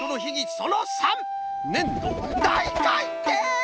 その３！ねんどだいかいてん！